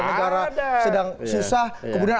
negara sedang susah kemudian